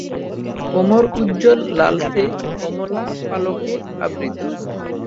কোমর উজ্জ্বল লালচে-কমলা পালকে আবৃত।